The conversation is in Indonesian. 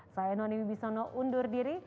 saya nonny wibisono undur diri